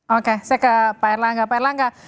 oke saya ke pak erlangga